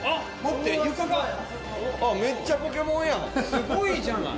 すごいじゃない！